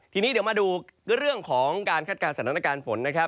ทีนี้เดี๋ยวมาดูเรื่องของการคาดการณ์สถานการณ์ฝนนะครับ